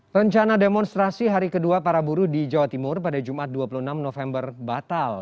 rencana demonstrasi hari kedua para buruh di jawa timur pada jumat dua puluh enam november batal